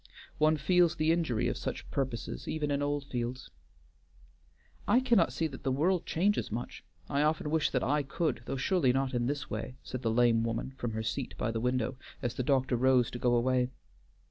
One feels the injury of such purposes even in Oldfields." "I cannot see that the world changes much. I often wish that I could, though surely not in this way," said the lame woman from her seat by the window, as the doctor rose to go away.